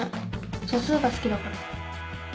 素数が好きだから。